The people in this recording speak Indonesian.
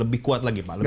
lebih kuat lagi pak